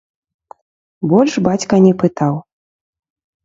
Больш бацька не пытаў.